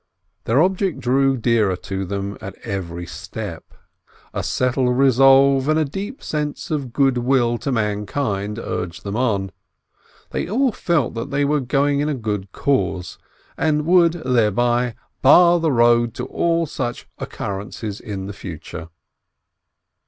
Their object grew dearer to them at every step. A settled resolve and a deep sense of good will to mankind urged them on. They all felt that they were going in a good cause, and would thereby bar the road to all such occurrences in the future.